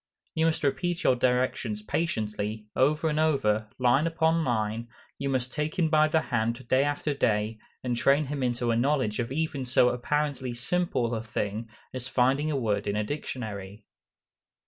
You must repeat your directions patiently, over and over, "line upon line;" you must take him by the hand day after day, and train him into a knowledge of even so apparently simple a thing as finding a word in a dictionary.